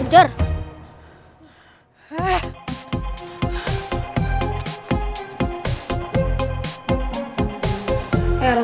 kamu kabur crah